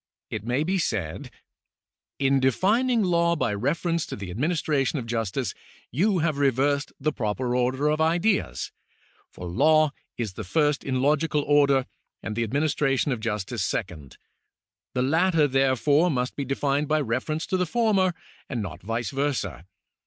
It may be said : "In defining law by reference to the administration of justice, you have reversed the proper order of ideas, for law is the first in logical order, and the administration of jus tice second. The latter, therefore, must be defined bj^ refer ence to the former, and not vice versa.